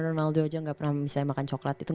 ronaldo aja gak pernah misalnya makan coklat itu